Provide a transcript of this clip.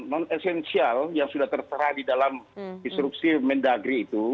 non esensial yang sudah tertera di dalam instruksi mendagri itu